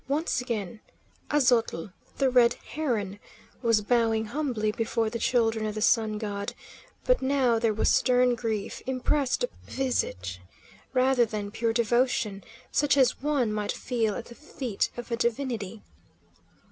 Once again Aztotl, the Red Heron, was bowing humbly before the Children of the Sun God, but now there was stern grief impressed upon his visage, rather than pure devotion, such as one might feel at the feet of a divinity.